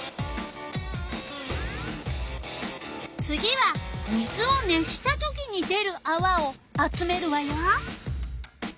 次は水を熱したときに出るあわを集めるわよ。